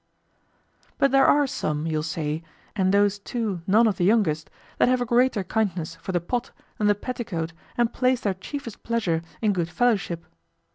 But there are some, you'll say, and those too none of the youngest, that have a greater kindness for the pot than the petticoat and place their chiefest pleasure in good fellowship.